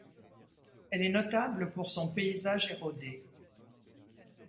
Elle est notable pour son paysage érodé.